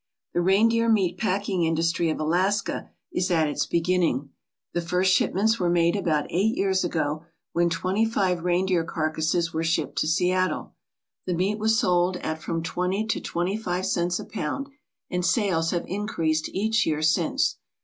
The reindeer meat packing industry of Alaska is at its beginning. The first shipments were made about eight years ago, when twenty five reindeer carcasses were shipped to Seattle. The meat was sold at from twenty to twenty five cents per pound, and sales have increased each year since.